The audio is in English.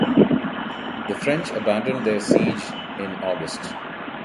The French abandoned their siege in August.